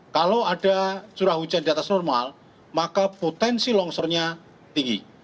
kalau ada curah hujan di atas normal maka potensi longsornya tinggi